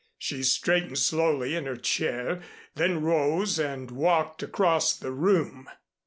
She straightened slowly in her chair, then rose and walked across the room.